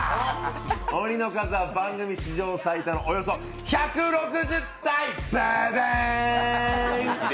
鬼の数は番組史上最多のおよそ１６０体、ババーン！